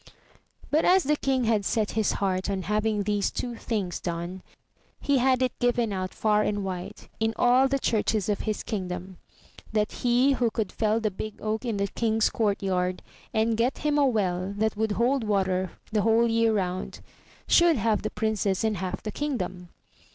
But as the King had set his heart on having these two things done, he had it given out far and wide, in all the churches of his kingdom, that he who could fell the big oak in the King's courtyard, and get him a well that would hold water the whole year round, should have the Princess and half the kingdom.